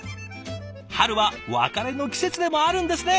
春は別れの季節でもあるんですね。